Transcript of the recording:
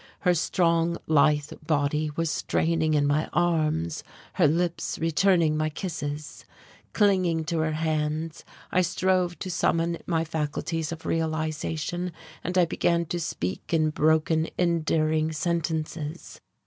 Her strong, lithe body was straining in my arms, her lips returning my kisses.... Clinging to her hands, I strove to summon my faculties of realization; and I began to speak in broken, endearing sentences.